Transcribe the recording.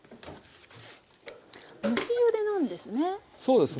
蒸しゆでなんですね。